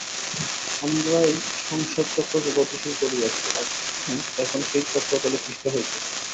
আমরাই সংসার-চক্রকে গতিশীল করিয়াছি, এবং এখন সেই চক্রতলে পিষ্ট হইতেছি।